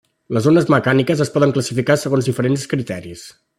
Les ones mecàniques es poden classificar segons diferents criteris.